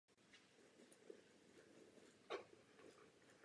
Rusko nedokáže respektovat svobodu jiných národů.